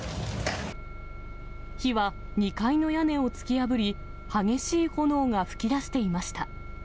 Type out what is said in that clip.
火は２階の屋根を突き破り、激しい炎が噴き出していました。